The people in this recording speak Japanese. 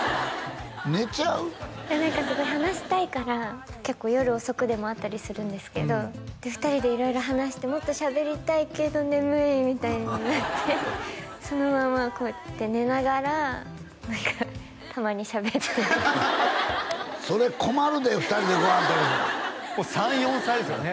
いや何かすごい話したいから結構夜遅くでも会ったりするんですけどで２人で色々話してもっとしゃべりたいけど眠いみたいになってそのままこうやって寝ながら何かたまにしゃべってそれ困るで２人でご飯食べてもう３４歳ですよね